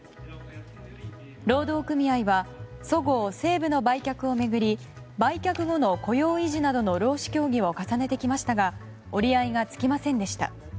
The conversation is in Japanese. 労働組合はそごう・西武の売却を巡り売却後の雇用維持などの労使協議を重ねてきましたが折り合いがつきませんでした。